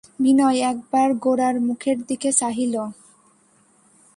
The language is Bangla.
বিনয় একবার গোরার মুখের দিকে চাহিল।